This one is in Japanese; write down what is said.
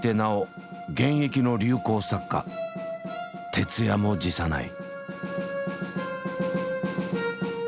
徹夜も辞さない。